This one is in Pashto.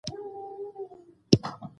علم د نړیوالو اړیکو پراخوالي سبب دی.